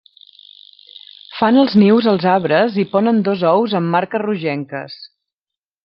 Fan els nius als arbres i ponen dos ous amb marques rogenques.